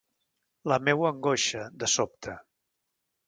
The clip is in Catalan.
La meua angoixa, de sobte.